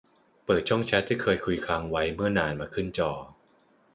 เปิดช่องแชตที่เคยคุยค้างไว้เมื่อนานมาขึ้นจอ